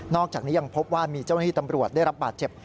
อกจากนี้ยังพบว่ามีเจ้าหน้าที่ตำรวจได้รับบาดเจ็บ